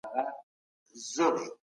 سیاسي تنوع د یوې سالمې ټولني نښه ده.